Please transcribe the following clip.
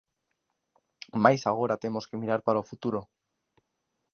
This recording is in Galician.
Mais agora temos que mirar para o futuro.